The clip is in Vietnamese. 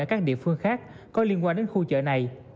ở các địa phương khác có liên quan đến khu chợ này